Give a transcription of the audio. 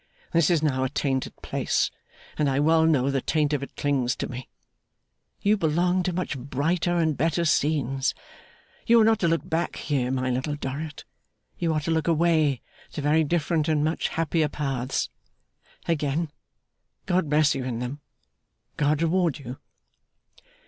This is now a tainted place, and I well know the taint of it clings to me. You belong to much brighter and better scenes. You are not to look back here, my Little Dorrit; you are to look away to very different and much happier paths. Again, GOD bless you in them! GOD reward you!